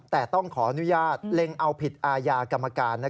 แต่ต้องขออนุญาตเล็งเอาผิดอาญากรรมการ